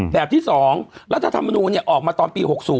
แบบที่๒รัฐธรรมนูลออกมาตอนปี๖๐